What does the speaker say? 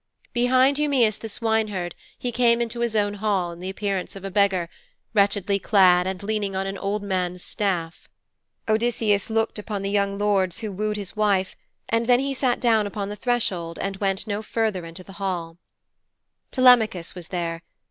Behind Eumæus, the swineherd, he came into his own hall, in the appearance of a beggar, wretchedly clad and leaning on an old man's staff. Odysseus looked upon the young lords who wooed his wife, and then he sat down upon the threshold and went no further into the hall. Telemachus was there.